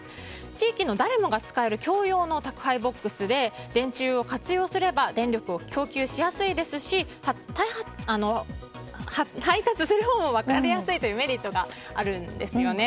地域の誰もが使える共用の宅配ボックスで電柱を活用すれば電力を供給しやすいですし配達するほうも分かりやすいというメリットがあるんですね。